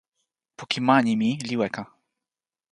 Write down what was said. poki mani mi li weka.